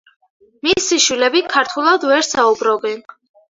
მისი შვილები ქართულად ვერ საუბრობენ.